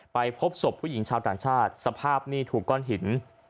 ไปพบศพผู้หญิงชาวต่างชาติสภาพนี่ถูกก้อนหิน